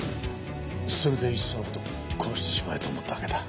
それでいっその事殺してしまえと思ったわけだ？